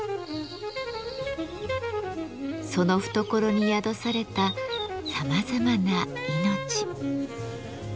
その懐に宿されたさまざまな命。